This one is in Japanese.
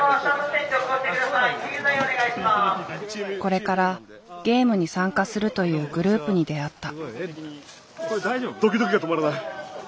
これからゲームに参加するというグループに出会った。